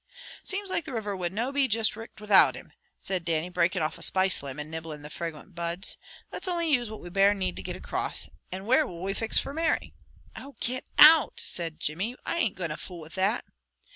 "Seems like the river would no be juist richt without him," said Dannie, breaking off a spice limb and nibbling the fragrant buds. "Let's only use what we bare need to get across. And where will we fix fra Mary?" "Oh, git out!" said Jimmy. "I ain't goin' to fool with that."